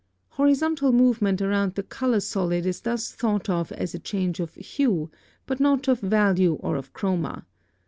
Horizontal movement around the color solid is thus thought of as a change of hue, but not of value or of chroma.